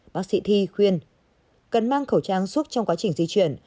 bác sĩ thi khuyên cần mang khẩu trang suốt trong quá trình di chuyển